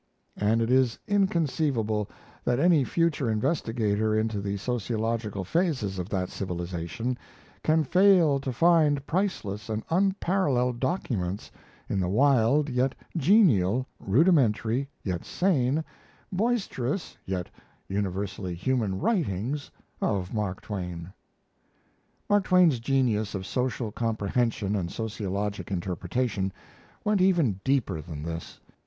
And it is inconceivable that any future investigator into the sociological phases of that civilization can fail to find priceless and unparalleled documents in the wild yet genial, rudimentary yet sane, boisterous yet universally human writings of Mark Twain. Mark Twain's genius of social comprehension and sociologic interpretation went even deeper than this.